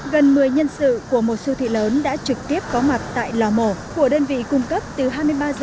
gần một mươi nhân sự của một siêu thị lớn đã trực tiếp có mặt tại lò mổ của đơn vị cung cấp từ hai mươi ba h